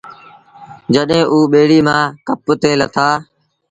جڏهيݩٚ اوٚ ٻيڙيٚ مآݩٚ ڪپ تي لٿآ